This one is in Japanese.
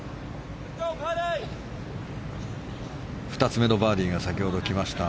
２つ目のバーディーが先ほどきました。